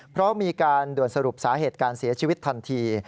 เพราะมีการด่วนสรุปสาเหตุการเสียชีวิตทันที